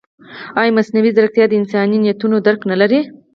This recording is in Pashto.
ایا مصنوعي ځیرکتیا د انساني نیتونو درک نه لري؟